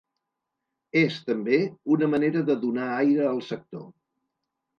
És, també, una manera de donar aire al sector.